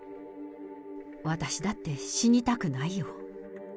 私だって死にたくないよ。